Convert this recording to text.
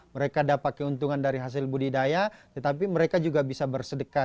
mereka dapat keuntungan dari hasil budidaya tetapi mereka juga bisa bersedekah